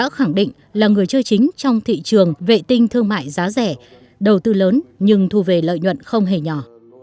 australia khẳng định là người chơi chính trong thị trường vệ tinh thương mại giá rẻ đầu tư lớn nhưng thu về lợi nhuận không hề nhỏ